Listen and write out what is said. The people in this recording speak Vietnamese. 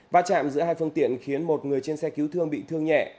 va chạm giữa hai phương tiện khiến một người trên xe cứu thương bị thương nhẹ